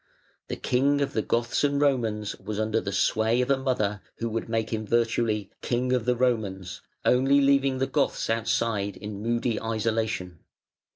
The "King of the Goths and Romans" was under the sway of a mother who would make him virtually "King of the Romans", only leaving the Goths outside in moody isolation.